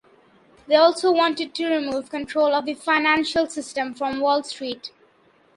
They also wanted to remove control of the financial system from Wall Street.